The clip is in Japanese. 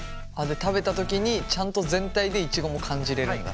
食べた時にちゃんと全体でイチゴも感じれるんだ。